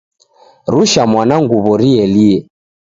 Rusha mwana nguw'o rielie.